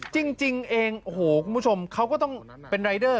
จริงเองโอ้โหคุณผู้ชมเขาก็ต้องเป็นรายเดอร์